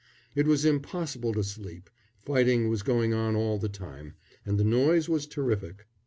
It was impossible to sleep fighting was going on all the time, and the noise was terrific.